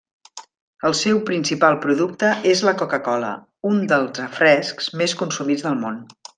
El seu principal producte és la Coca-cola, un dels refrescs més consumits del món.